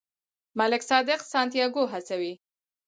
ملک صادق سانتیاګو هڅوي.